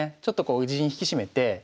ちょっと陣引き締めて。